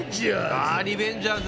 あリベンジャーズ。